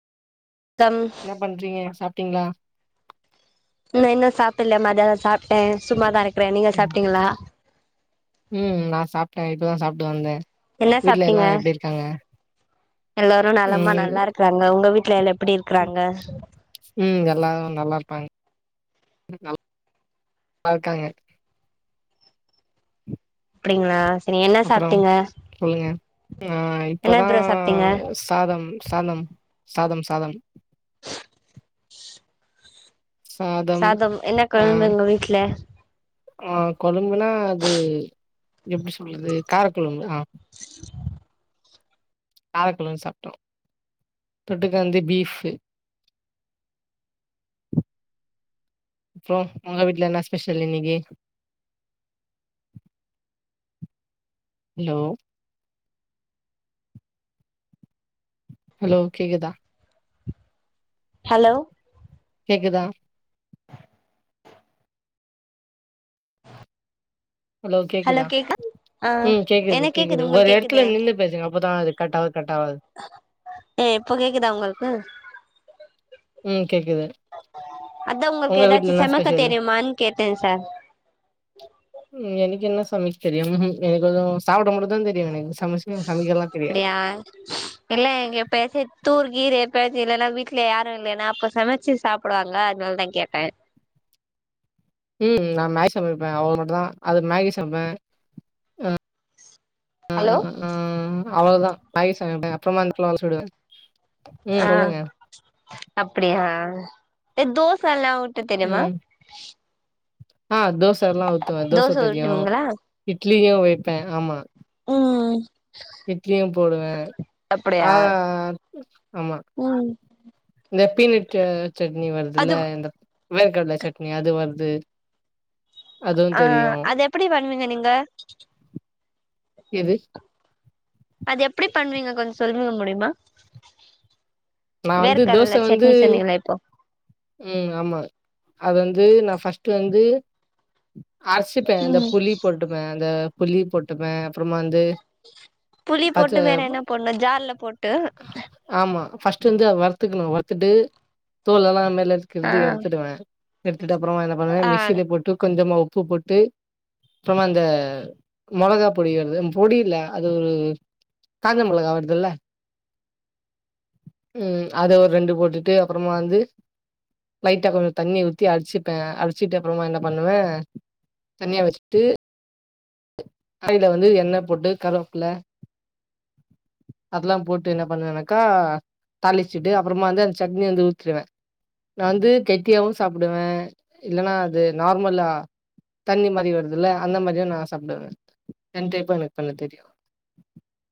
come இன்னா பண்றீங்க சாப் ட்டீங்களா நா இன்னோ சாப்டுல மதியானோ சாப்ட்டே சும்மாதா இருக் குறே நீங்க ம் சாப்பிட்டீங்களா நா சாப்ட்டே ம் இப்பதா சாப்ட்டு வந்த வீட்ல எல்லா எப்டி இருக்காங்க எல்லாரோ நலமா ம் நல்லா இருக்குறாங்க உங்க வீட் [unintelligible] ம் எல்லாரோ நல்லா இருப்பாங்க நல்லாருக்காங்க அப்படிங்களா அப்புறம் சொல்லுங்க ஆ என்ன இப்பதா ப்ரோ சாப்ட்டீங்க சாதம் சாதம் சாதம் சாதம் சாதம் என்ன ஆ கொழம்பு ஒங்க வீட்ல ஆ கொழும்புனா அது எப்படி சொல்றது காரக்குழம்பு காரக்கொழம்பு சாப்பிட்டோம் தொட்டுக்க வந்து பீப் அப்புறம் உங்க வீட்டுல என்ன ஸ்பெஷல் இன்னைக்கு ஹலோ ஹலோ கேக்குதா ஹலோ கேக்குதா ஹலோ கேக்குதா கேக்கா ஆ ம் கேக்குது எனக் கேக்குது ஒரு உங்களுக்கு கேக்குது இடத்துல நின்னு பேசுங்க அப்பதான் கட்டா ஏ இப்போ கேக்குதா உங்களுக்கு ம் கேக்குது அதான் உங்களுக்கு உங்க வீட்ல ஏதாச்சும் என்ன சமைக்க ஸ்பெஷல் தெரியுமானு கேட்டேன் சார் ம் எனக்கு என்ன சமைக்க தெரியும் எனக்கு சாப்பிடமட்டும்தான் தெரியும் எனக்கு சமைச்சு சமைக்கலா தெரியாது அப்டியா இல்ல இங்க பேச தூருது கீர எப்பயாச்சும் இல்லைன்னா வீட்டுல யாரும் இல்லலைன்னா அப்ப சமைச்சு சாப்பிடுவாங்கல்ல அதனாலதான் கேட்டேன் உம் நா மேகி சமைப்பே அது மட்டுதா அது மேகி சமைப்பே அஹ் ம் ஹலோ ம் ம் அவ்ளதான் மகேஸ் அப்புறமா அ வாசொல்லிடுவேன் ஆ அப்படியா எ தோ செல்லா ஊத்த தெரிமா ஆஹ் தோஸ் தோச எல்லா ஊத்துவ தோச தெரியு ஊட்டுவீங்களா இட்லி யு அவிப்பே ஆமா ஆ இட்லியு போடுவே அப்டியா ஆஹ் ஆமா இந்த பீ நட்டு சட்னி வருதுல அது இந்த வேர்க்கட்ல சட்னி அது வருது அதுவு தெரியு ஆஹ் அது எப்டி பண்ணுவீங்க நீங்க எது அது எப்டி பண்ணுவீங்க கொஞ்ச சொல்ல முடியுமா நா வேர்க்கட்ல சட்னி சொன்னிங்கள இப்போ உம் ஆமா அது வந்து நா ஃபஸ்ட்டு வந்து அர்சிப்பே அந்த புளி போட்டுப்பே அந்த புளி போட்டுப்பே அப்றமா வந்து புளி பச்ச போட்டு வேற என்ன போட்ணு ஜார்ல போட்டு ஃபஸ்ட்டு வந்து அத வருத்துக்கணு வருத்துட்டு தோலெல்லா நர் ஆ நற்க்கிற்து எடுத்துடுவே இத்தப்றோ என்ன பண்ணுவே ஆ மி்க்சில போட்டு கொஞ்சமா உப்பு போட்டு அப்றமா அந்த மொளகா பொடி வருது உம் பொடில்ல அது ஒரு காஞ்ச மொளகா வருதுல்ல உம் அத ஒரு ரெண்டு போட்டுட்டு அப்றமா வந்து லைட்டா கொஞ்ச தண்ணி ஊத்தி அடிச்சுப்பே அடிச்சிட்டு அப்றமா என்ன பண்ணுவே தனியா வச்சுட்டு அதுல வந்து எண்ண போட்டு கருவப்பில அதுலா போட்டு என்ன பண்ணுவேனாக்கா தாளிச்சுட்டு அப்றமா வந்து அந்த சட்னிய வந்து ஊத்திடுவே நா வந்து கெட்டியாவு சாப்டுவே இல்லனா அது நார்மலா தண்ணி மாரி வருதுல்ல அந்த மாரியு நா சாப்டுவே ரெண்டு டைப்பா எனக்கு பண்ண தெரியு